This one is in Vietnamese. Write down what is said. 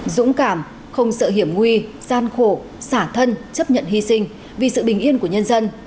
dũng cảm không sợ hiểm nguy gian khổ xả thân chấp nhận hy sinh vì sự bình yên của nhân dân